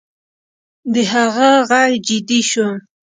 د هغه غږ جدي شو